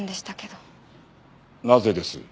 なぜです？